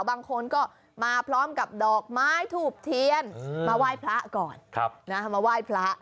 บางคนก็มาพร้อมกับดอกไม้ถูกเทียนมาไหว้พระก่อนมาไหว้พระ